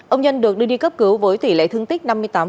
ông nhân được đưa đi cấp cứu với tỷ lệ thương tích năm mươi tám